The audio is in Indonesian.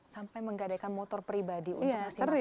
sampai menggadein motor pribadi untuk ngasih makan mereka